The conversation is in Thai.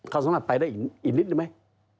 เขาสามารถไปได้อีกนิดนึงไหม